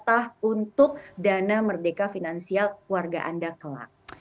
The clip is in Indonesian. tetapi belanja anda tidak mengganggu jatah untuk dana merdeka finansial keluarga anda kelak